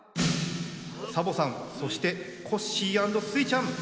サボさんそしてコッシー＆スイちゃん！